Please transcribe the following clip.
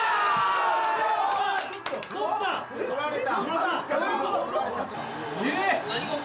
とられた！